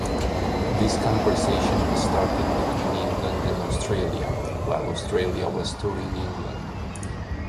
This conversation was started between England and Australia, while Australia was touring England.